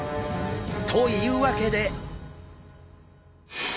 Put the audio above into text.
というわけで！